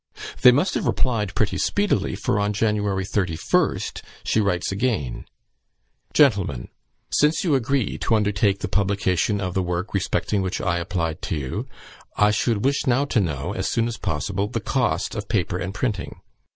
They must have replied pretty speedily, for on January 31st she writes again: "GENTLEMEN, "Since you agree to undertake the publication of the work respecting which I applied to you, I should wish now to know, as soon as possible, the cost of paper and printing.